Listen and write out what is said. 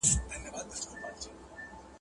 زه پرون کتابونه ليکم!